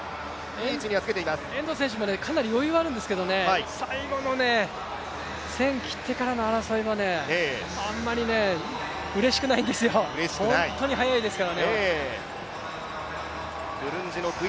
遠藤選手もかなり余裕はあるんですけれども最後の１０００切ってからの争いはあんまりうれしくないんですよ、ホントに速いですから。